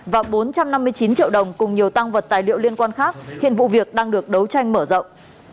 và bốn trăm năm mươi chín triệu đồng cùng nhiều tăng vật tài liệu liên quan khác hiện vụ việc đang được đấu tranh mở rộng